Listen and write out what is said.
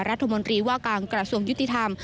รัฐมนตรีว่าการกระทรวงยุติธรรม